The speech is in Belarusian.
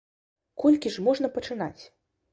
Колькі ж можна пачынаць?!